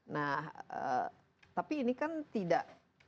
nah tapi ini kan tidak